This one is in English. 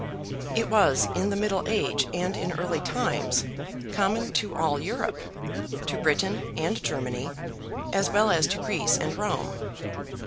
It was in the middle age and in early times common to all Europe, to Britain and Germany, as well as to Greece and Rome.